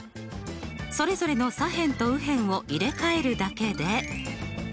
それぞれの左辺と右辺を入れ替えるだけで。